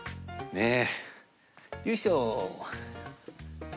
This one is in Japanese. ねえ。